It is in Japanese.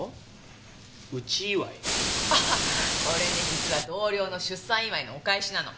実は同僚の出産祝いのお返しなの。